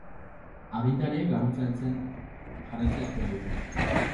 Agintariek laguntza heltzen jarraitzea espero dute.